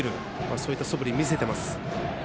そういったそぶり、見せてます。